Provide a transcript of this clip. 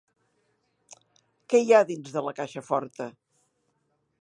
Què hi ha dins de la caixa forta?